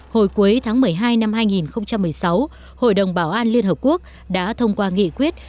hồi cuối tháng một mươi hai năm hai nghìn một mươi sáu hội đồng bảo an liên hợp quốc đã thông qua nghị quyết